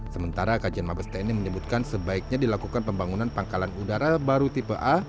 sementara kajian mabes tni menyebutkan sebaiknya dilakukan pembangunan pangkalan udara baru tipe a